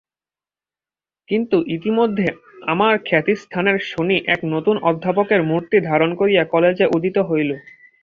কিন্তু ইতিমধ্যে আমার খ্যাতিস্থানের শনি এক নূতন অধ্যাপকের মূর্তি ধারণ করিয়া কলেজে উদিত হইল।